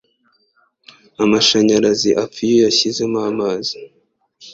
Amashanyarazi apfa iyo uyashyizemo amazi?